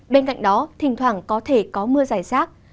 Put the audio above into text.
bên cạnh đó thỉnh thoảng có thể có mưa giải rác